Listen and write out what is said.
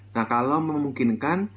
nah kalau memungkinkan